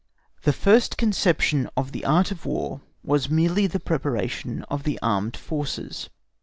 THE FIRST CONCEPTION OF THE "ART OF WAR" WAS MERELY THE PREPARATION OF THE ARMED FORCES.